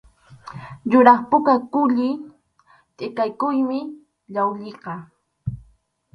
Yuraq puka kulli tʼikayuqmi llawlliqa.